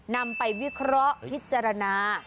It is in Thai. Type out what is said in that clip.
นำไปวิเคราะห์พิจารณา